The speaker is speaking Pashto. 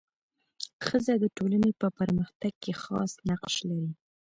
ښځه د ټولني په پرمختګ کي خاص نقش لري.